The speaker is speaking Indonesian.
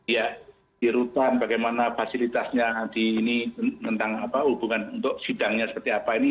ya di rutan bagaimana fasilitasnya di ini tentang apa hubungan untuk situasi